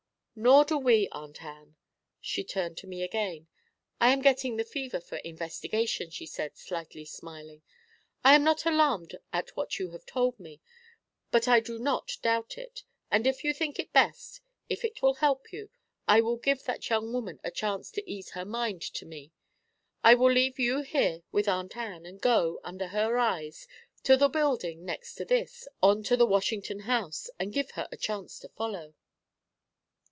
'Nor do we, Aunt Ann.' She turned to me again. 'I am getting the fever for investigation,' she said, slightly smiling. 'I am not alarmed at what you have told me, but I do not doubt it, and if you think it best, if it will help you, I will give that young woman a chance to ease her mind to me. I will leave you here with Aunt Ann, and go, under her eyes, to the building next to this, on to the Washington House, and give her a chance to follow.'